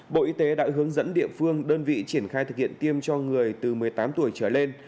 bộ y tế đã hướng dẫn địa phương đơn vị triển khai thực hiện tiêm cho người từ một mươi tám tuổi trở lên